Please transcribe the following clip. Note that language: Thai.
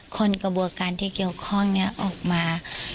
กระบวนการที่เกี่ยวข้องนี้ออกมา